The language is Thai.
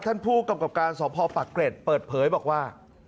ท่านผู้กรรมกราบการสมภพภักดิ์เกร็ดเปิดเผยบอกว่า